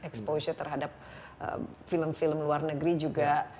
exposure terhadap film film luar negeri juga